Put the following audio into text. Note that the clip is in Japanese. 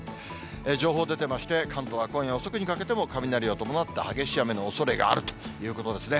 情報出てまして、関東は今夜遅くにかけても、雷を伴った激しい雨のおそれがあるということですね。